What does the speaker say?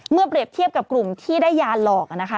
เมื่อเปรียบเทียบกับกลุ่มที่ได้ยาหลอก